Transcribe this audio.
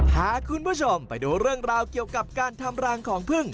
พาคุณผู้ชมไปดูเรื่องราวเกี่ยวกับการทำรังของพึ่ง